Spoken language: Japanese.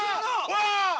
うわ！